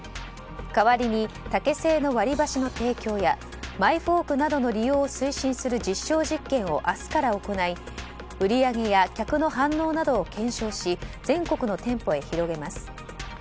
代わりに竹製の割り箸の提供やマイフォークなどの利用を推進する実証実験を明日から行い売り上げや客の反応などを検証し全国の店舗へ広げます。